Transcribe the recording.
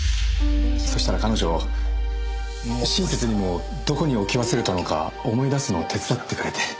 そしたら彼女親切にもどこに置き忘れたのか思い出すのを手伝ってくれて。